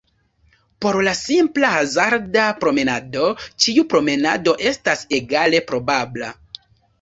Por la simpla hazarda-promenado, ĉiu promenado estas egale probabla.